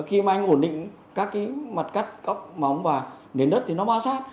thì khi mà anh ổn định các cái mặt cắt cóc móng và nền đất thì nó ba sát